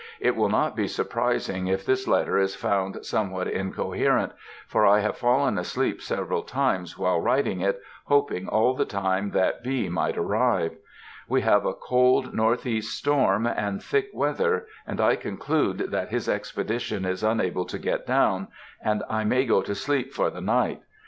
It will not be surprising if this letter is found somewhat incoherent, for I have fallen asleep several times while writing it, hoping all the time that B. might arrive. We have a cold northeast storm and thick weather, and I conclude that his expedition is unable to get down, and I may go to sleep for the night.